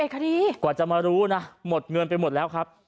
กว่าจะมารู้นะหมดเงินไปหมดแล้วครับ